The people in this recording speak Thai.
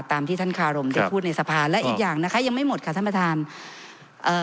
ตามที่ท่านคารมได้พูดในสภาและอีกอย่างนะคะยังไม่หมดค่ะท่านประธานเอ่อ